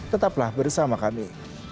tetaplah bersama kami